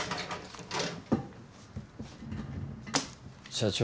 社長。